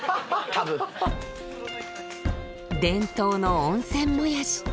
伝統の温泉もやし